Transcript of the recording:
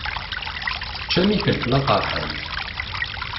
Teččam ifelfel aqeṛḥan.